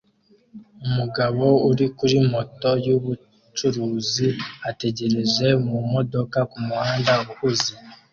Umugabo uri kuri moto yubururu ategereje mumodoka kumuhanda uhuze